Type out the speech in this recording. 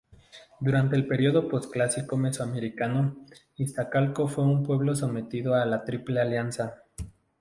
Durante el período posclásico mesoamericano, Iztacalco fue un pueblo sometido a la Triple alianza.